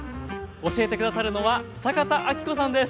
教えて下さるのは坂田阿希子さんです。